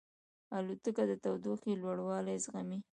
الوتکه د تودوخې لوړوالی زغمي.